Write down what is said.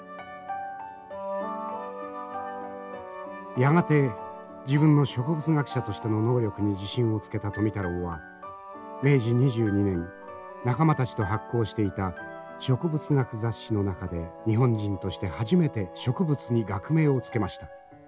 やがて自分の植物学者としての能力に自信をつけた富太郎は明治２２年仲間たちと発行していた「植物学雑誌」の中で日本人として初めて植物に学名を付けました。